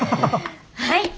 はい。